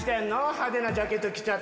派手なジャケット着ちゃって。